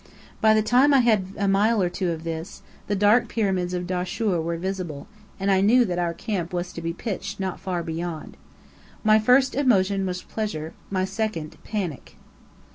By the time I had had a mile or two of this, the dark Pyramids of Dahshur were visible, and I knew that our camp was to be pitched not far beyond. My first emotion was pleasure; my second, panic.